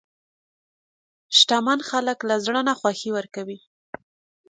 شتمن خلک له زړه نه خوښي ورکوي.